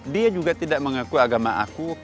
dia juga tidak mengakui agama aku